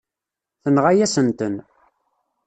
Tenɣa-yasen-ten.